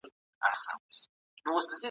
بهرنۍ تګلاره یوازې د امنیت په چوکاټ کي نه ده.